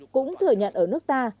cũng thừa nhận ở nước ta